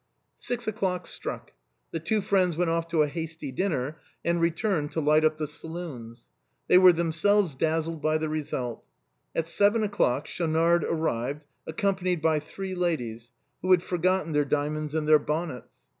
Six o'clock struck; the two friends went off to a hasty dinner, and returned to light up the saloons. They were themselves dazzled by the result. At seven o'clock Schau nard arrived, accompanied by three ladies, who had for forgotten their diamonds and their bonnets.